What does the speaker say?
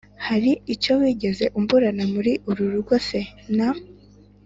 ₋ Hari icyo wigeze umburana muri uru rugo se? Nta